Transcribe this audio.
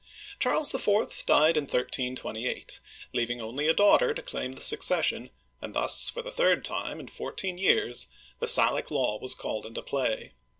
Charles IV. died in 1328, leaving only a daughter to claim the succession, and thus for the third time in four teen years the Salic Law was called into play.